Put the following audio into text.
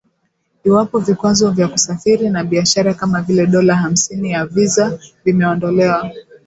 iwapo vikwazo vya kusafiri na biashara kama vile dola hamsini ya viza vimeondolewa